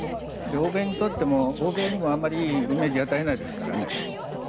欧米にとっても、あまりイメージを与えないですからね。